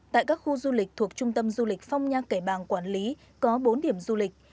tại các khu du lịch thuộc trung tâm du lịch phong nha kẻ bàng quản lý có bốn điểm du lịch